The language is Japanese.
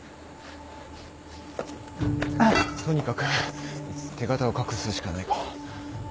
とにかく手形を隠すしかないか。